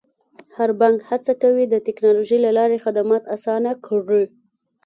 هر بانک هڅه کوي د ټکنالوژۍ له لارې خدمات اسانه کړي.